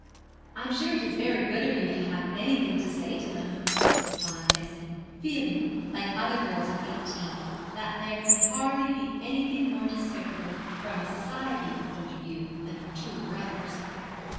'I'm sure it is very good of you to have anything to say to them,' replied Bessie, feeling, like other girls of eighteen, that there could hardly be anything more despicable from a Society point of view than her two brothers.'